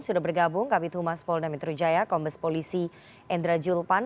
sudah bergabung kapitul mas pol nami terujaya kombes polisi endra zulpan